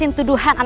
tante andis jangan